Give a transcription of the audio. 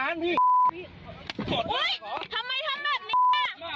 ว่นหย่า